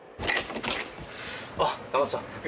あっ仲田さん。